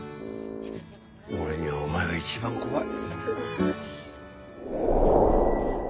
俺にはお前が一番怖い。